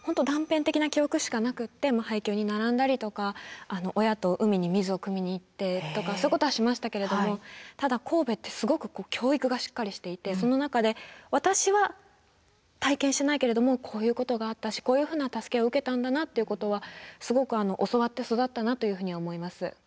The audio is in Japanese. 断片的な記憶しかなくって配給に並んだりとか親と海に水をくみに行ってとかそういうことはしましたけれどもただ神戸ってすごく教育がしっかりしていてその中で私は体験してないけれどもこういうことがあったしこういうふうな助けを受けたんだなっていうことはすごく教わって育ったなというふうに思います。